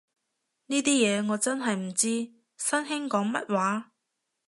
呢啲嘢我真係唔知，新興講乜話